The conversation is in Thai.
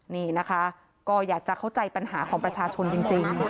นี่นะคะก็อยากจะเข้าใจปัญหาของประชาชนจริง